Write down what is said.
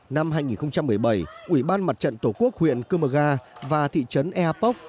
năm hai nghìn một mươi bảy ủy ban mặt trận tổ quốc huyện cư mờ ga và thị trấn ea póc